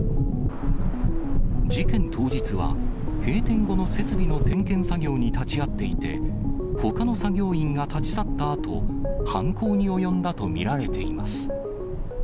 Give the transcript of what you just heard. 事件当日は、閉店後の設備の点検作業に立ち会っていて、ほかの作業員が立ち去ったあと、犯行に及んだと見られています。